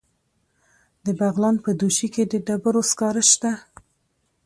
د بغلان په دوشي کې د ډبرو سکاره شته.